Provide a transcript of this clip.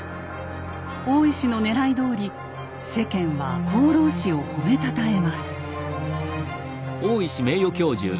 大石のねらいどおり世間は赤穂浪士を褒めたたえます。